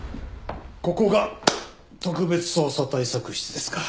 ここが特別捜査対策室ですか。